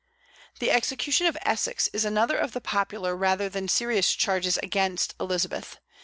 The execution of Essex is another of the popular rather than serious charges against Elizabeth.